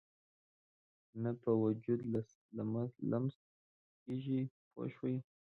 نه په وجود لمس کېږي پوه شوې!.